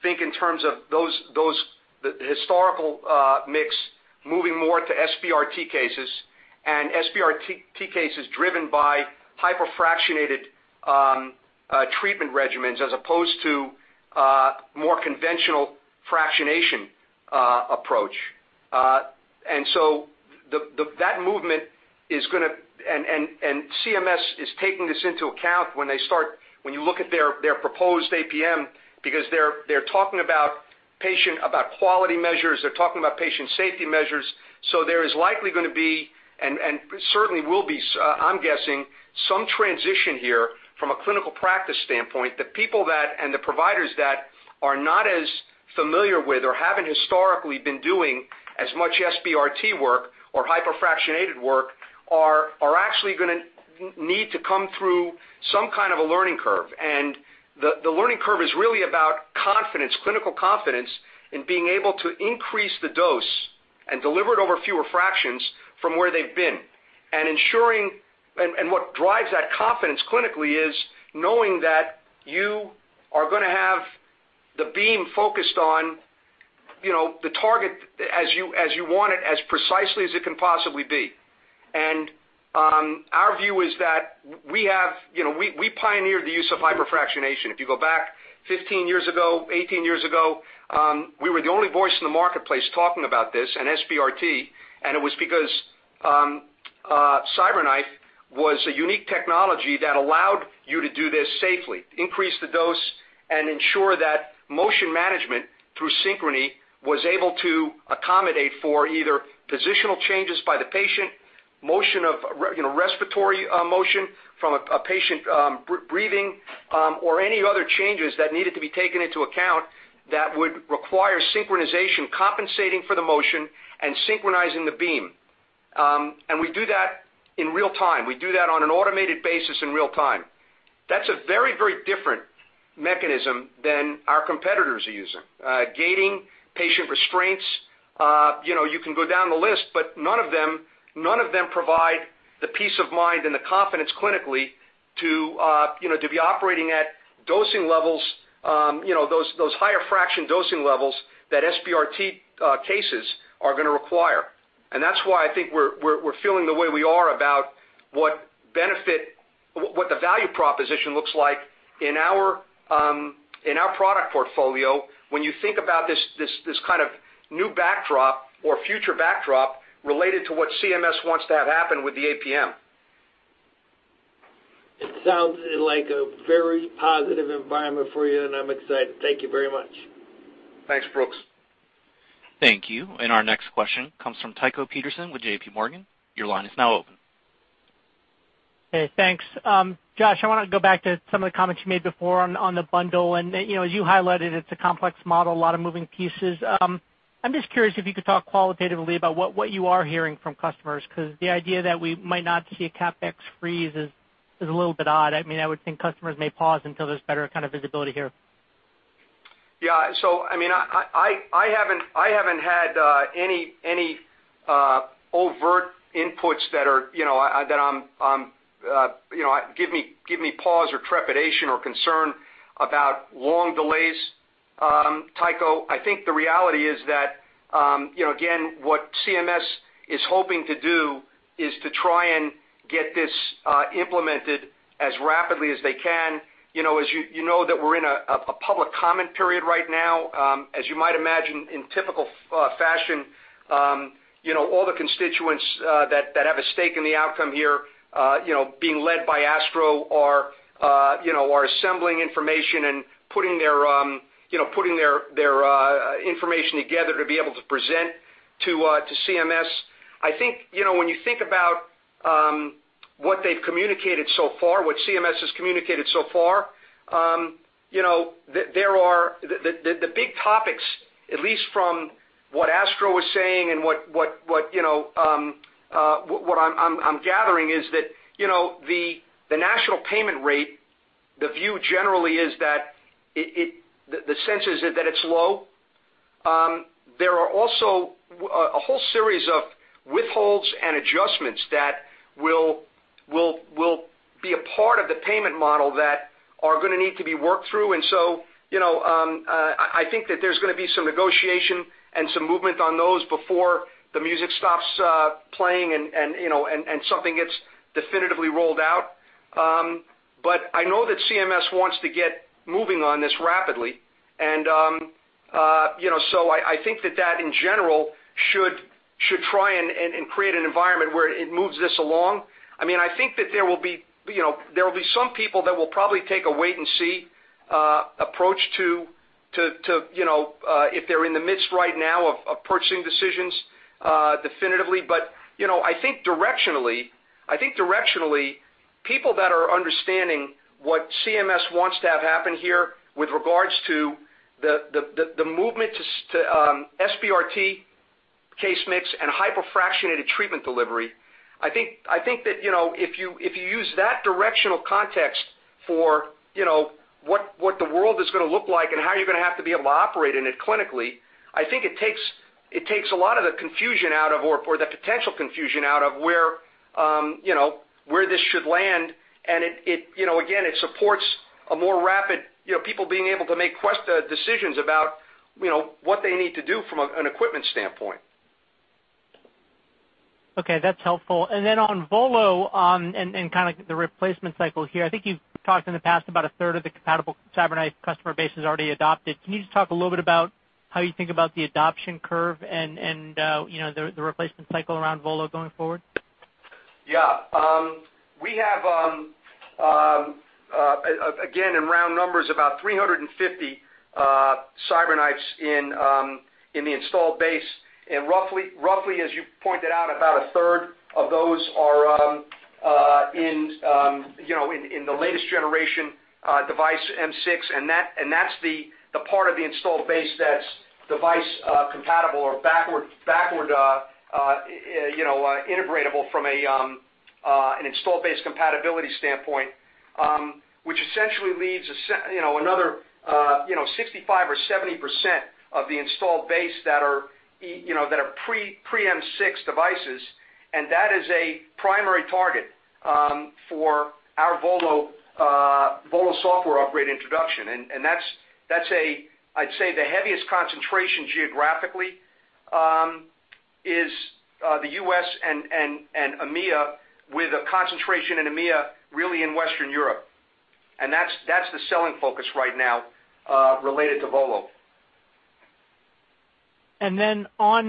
Think in terms of the historical mix moving more to SBRT cases and SBRT cases driven by hypofractionated treatment regimens as opposed to more conventional fractionation approach. CMS is taking this into account when you look at their proposed APM, because they're talking about quality measures, they're talking about patient safety measures. There is likely going to be, and certainly will be, I'm guessing, some transition here from a clinical practice standpoint, the people that, and the providers that are not as familiar with or haven't historically been doing as much SBRT work or hypofractionated work are actually going to need to come through some kind of a learning curve. The learning curve is really about confidence, clinical confidence in being able to increase the dose and deliver it over fewer fractions from where they've been. What drives that confidence clinically is knowing that you are going to have the beam focused on the target as you want it, as precisely as it can possibly be. Our view is that we pioneered the use of hypofractionation. If you go back 15 years ago, 18 years ago, we were the only voice in the marketplace talking about this and SBRT, and it was because CyberKnife was a unique technology that allowed you to do this safely, increase the dose, and ensure that motion management through Synchrony was able to accommodate for either positional changes by the patient, respiratory motion from a patient breathing, or any other changes that needed to be taken into account that would require synchronization, compensating for the motion and synchronizing the beam. We do that in real-time. We do that on an automated basis in real-time. That's a very different mechanism than our competitors are using. Gating, patient restraints, you can go down the list, but none of them provide the peace of mind and the confidence clinically to be operating at those higher fraction dosing levels that SBRT cases are going to require. That's why I think we're feeling the way we are about what the value proposition looks like in our product portfolio when you think about this kind of new backdrop or future backdrop related to what CMS wants to have happen with the APM. It sounds like a very positive environment for you, and I'm excited. Thank you very much. Thanks, Brooks. Thank you. Our next question comes from Tycho Peterson with J.P. Morgan. Your line is now open. Hey, thanks. Josh, I want to go back to some of the comments you made before on the bundle, and as you highlighted, it's a complex model, a lot of moving pieces. I'm just curious if you could talk qualitatively about what you are hearing from customers, because the idea that we might not see a CapEx freeze is a little bit odd. I would think customers may pause until there's better kind of visibility here. Yeah. I haven't had any overt inputs that give me pause or trepidation or concern about long delays, Tycho. I think the reality is that again, what CMS is hoping to do is to try and get this implemented as rapidly as they can. As you know that we're in a public comment period right now. As you might imagine, in typical fashion, all the constituents that have a stake in the outcome here, being led by ASTRO, are assembling information and putting their information together to be able to present to CMS. I think when you think about what they've communicated so far, what CMS has communicated so far, the big topics, at least from what ASTRO is saying and what I'm gathering is that the national payment rate, the view generally is that the sense is that it's low. There are also a whole series of withholds and adjustments that will be a part of the payment model that are going to need to be worked through. I think that there's going to be some negotiation and some movement on those before the music stops playing and something gets definitively rolled out. I know that CMS wants to get moving on this rapidly, and so I think that that in general should try and create an environment where it moves this along. I think that there will be some people that will probably take a wait-and-see approach if they're in the midst right now of approaching decisions definitively. I think directionally, people that are understanding what CMS wants to have happen here with regards to the movement to SBRT case mix and hypofractionated treatment delivery. I think that if you use that directional context for what the world is going to look like and how you're going to have to be able to operate in it clinically, I think it takes a lot of the confusion out of, or the potential confusion out of where this should land, and again, it supports people being able to make decisions about what they need to do from an equipment standpoint. Okay, that's helpful. On VOLO, and kind of the replacement cycle here. I think you've talked in the past about a third of the compatible CyberKnife customer base has already adopted. Can you just talk a little bit about how you think about the adoption curve and the replacement cycle around VOLO going forward? Yeah. We have again in round numbers about 350 CyberKnives in the installed base. Roughly as you pointed out, about a third of those are in the latest generation device, M6, and that's the part of the installed base that's device compatible or backward integratable from an installed base compatibility standpoint. Which essentially leaves another 65% or 70% of the installed base that are pre-M6 devices. That is a primary target for our VOLO software upgrade introduction. That's, I'd say, the heaviest concentration geographically is the U.S. and EMEA, with a concentration in EMEA, really in Western Europe. That's the selling focus right now, related to VOLO. On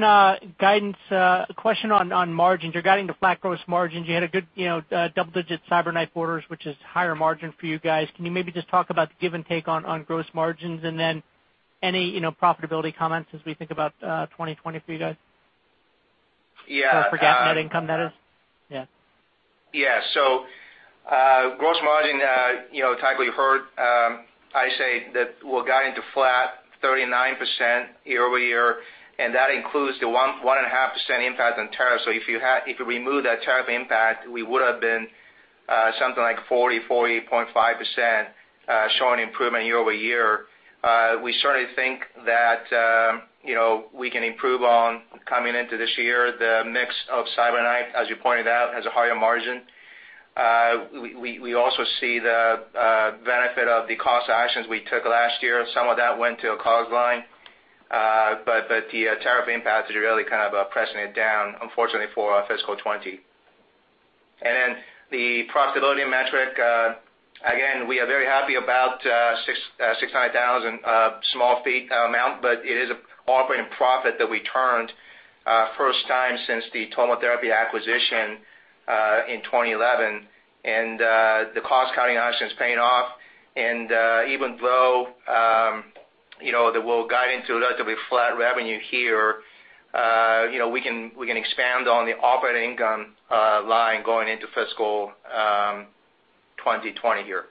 guidance, a question on margins. You're guiding to flat gross margins. You had a good double-digit CyberKnife orders, which is higher margin for you guys. Can you maybe just talk about the give and take on gross margins, and then any profitability comments as we think about 2020 for you guys? Yeah. for net income, that is? Yeah. gross margin, Tycho, you heard I say that we're guiding to flat 39% year-over-year, and that includes the 1.5% impact on tariffs. if you remove that tariff impact, we would've been something like 40.5% showing improvement year-over-year. We certainly think that we can improve on coming into this year. The mix of CyberKnife, as you pointed out, has a higher margin. We also see the benefit of the cost actions we took last year. Some of that went to a COGS line. the tariff impact is really kind of pressing it down, unfortunately, for our fiscal 2020. then the profitability metric, again, we are very happy about $600,000 small feat amount, but it is operating profit that we turned first time since the TomoTherapy acquisition in 2011. the cost-cutting action is paying off. even though that we're guiding to relatively flat revenue here, we can expand on the operating income line going into fiscal 2020 here.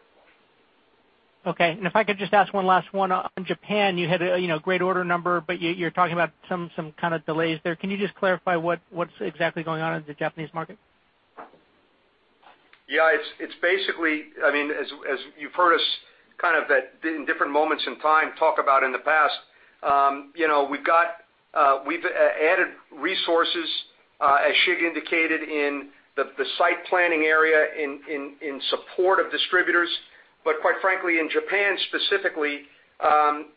Okay. If I could just ask one last one on Japan. You had a great order number, but you're talking about some kind of delays there. Can you just clarify what's exactly going on in the Japanese market? Yeah. It's basically, as you've heard us kind of at different moments in time talk about in the past, we've added resources, as Shig indicated, in the site planning area in support of distributors. Quite frankly, in Japan specifically,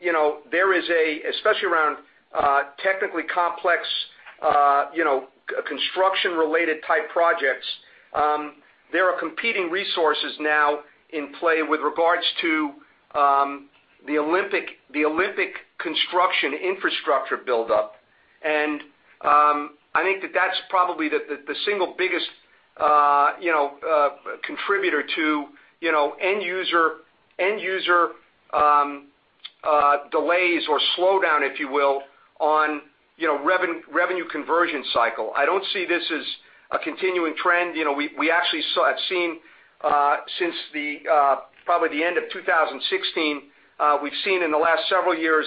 especially around technically complex construction-related type projects, there are competing resources now in play with regards to the Olympic construction infrastructure buildup. I think that that's probably the single biggest contributor to end user delays or slowdown, if you will, on revenue conversion cycle. I don't see this as a continuing trend. We actually have seen since probably the end of 2016, we've seen in the last several years,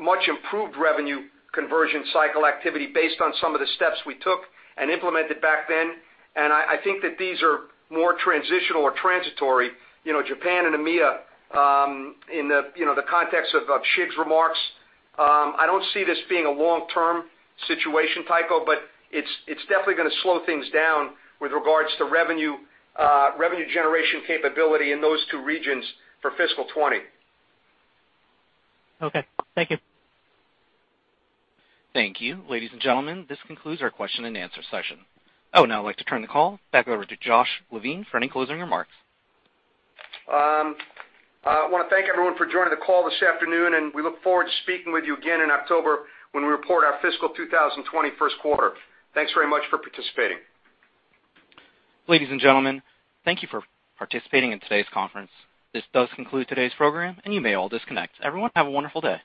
much improved revenue conversion cycle activity based on some of the steps we took and implemented back then. I think that these are more transitional or transitory. Japan and EMEA, in the context of Shig's remarks, I don't see this being a long-term situation, Tycho, but it's definitely going to slow things down with regards to revenue generation capability in those two regions for fiscal 2020. Okay. Thank you. Thank you. Ladies and gentlemen, this concludes our question and answer session. Oh, now I'd like to turn the call back over to Joshua Levine for any closing remarks. I want to thank everyone for joining the call this afternoon, and we look forward to speaking with you again in October when we report our fiscal 2020 first quarter. Thanks very much for participating. Ladies and gentlemen, thank you for participating in today's conference. This does conclude today's program, and you may all disconnect. Everyone, have a wonderful day.